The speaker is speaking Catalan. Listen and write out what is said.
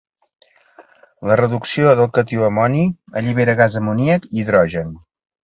La reducció del catió amoni allibera gas amoníac i hidrogen.